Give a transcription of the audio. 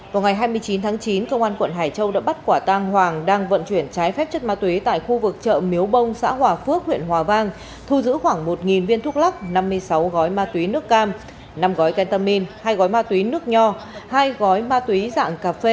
vào ngày hai mươi chín tháng chín công an quận hải châu đã bắt quả tang hoàng đang vận chuyển trái phép chất ma túy tại khu vực chợ miếu bông xã hòa phước huyện hòa vang thu giữ khoảng một viên thuốc lắc năm mươi sáu gói ma túy nước cam năm gói kentamin hai gói ma túy nước nho hai gói ma túy dạng cà phê